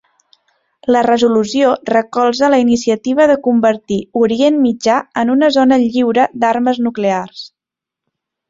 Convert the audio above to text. La resolució recolza la iniciativa de convertir Orient Mitjà en una zona lliure d'armes nuclears.